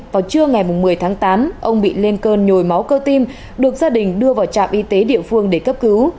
vào trưa ngày một mươi tháng tám ông bị lên cơn nhồi máu cơ tim được gia đình đưa vào trạm y tế địa phương để cấp cứu